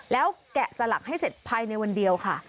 แล้วแกะสลักให้เสร็จภายในวันเดียวค่ะ